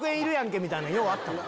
みたいなんようあったな。